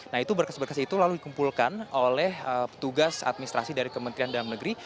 nah itu berkas berkas itu lalu dikumpulkan oleh petugas administrasi dari kementerian dalam negeri